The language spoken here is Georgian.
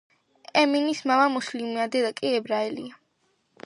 ემინის მამა მუსლიმია, დედა კი ებრაელია.